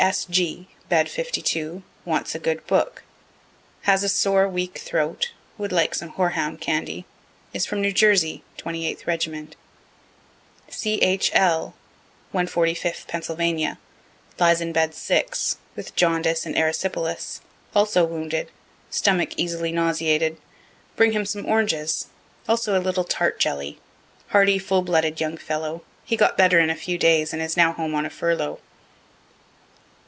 D. S. G., bed 52, wants a good book; has a sore, weak throat; would like some horehound candy; is from New Jersey, 28th regiment. C. H. L., 145th Pennsylvania, lies in bed 6, with jaundice and erysipelas; also wounded; stomach easily nauseated; bring him some oranges, also a little tart jelly; hearty, full blooded young fellow (he got better in a few days, and is now home on a furlough.)